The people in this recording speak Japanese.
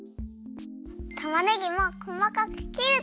たまねぎもこまかく切るっと。